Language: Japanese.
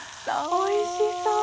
おいしそう！